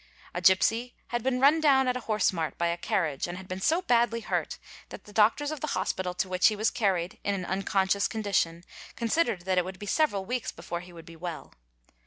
A gipsy had been run down at a horse mart by a carriage and had been so badly hurt that the doctors of the hospital tc which he was carried in an unconscious condition considered that it would be several weeks before he would be well.